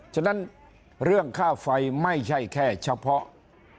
ฉะนั้นเรื่องค่าไฟไม่ใช่แค่เฉพาะ